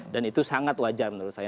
dan itu sangat wajar menurut saya